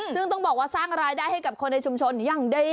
ซึ่งต้องบอกว่าสร้างรายได้ให้กับคนในชุมชนอย่างดี